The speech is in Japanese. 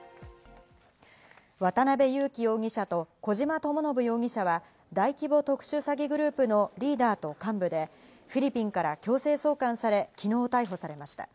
渡辺優樹容疑者と小島智信容疑者は、大規模特殊詐欺グループのリーダーと幹部で、フィリピンから強制送還され、昨日、逮捕されました。